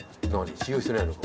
信用してないのか？